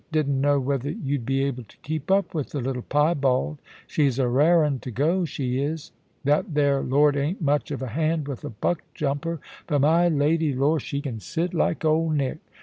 Didn't know whether you'd be able to keep up with the little piebald. She's a rare un to go, she is. That there lord ain't much of a hand with a buck jumper, but my lady, lor ! she can sit like Old Nick.